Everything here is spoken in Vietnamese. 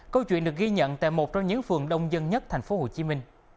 câu chuyện được ghi nhận tại một trong những phường đông dân nhất tp hcm